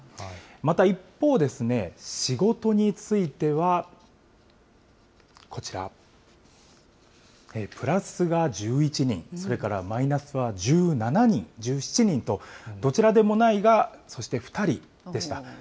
また一方ですね、仕事については、こちら、プラスが１１人、それからマイナスは１７人、どちらでもないがそして２人でした。